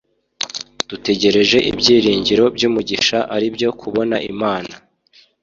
dutegereje ibyiringiro by’umugisha ari byo kubona imana